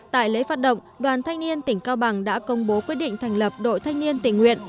tại lễ phát động đoàn thanh niên tỉnh cao bằng đã công bố quyết định thành lập đội thanh niên tỉnh nguyện